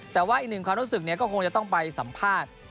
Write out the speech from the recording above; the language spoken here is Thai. แต่ว่าอีกหนึ่งความรู้สึกก็คงจะต้องไปสัมภาษณ์